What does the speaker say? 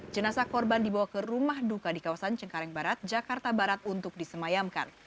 jenasa korban dibawa ke rumah duka di kawasan cengkareng barat jakarta barat untuk disemayamkan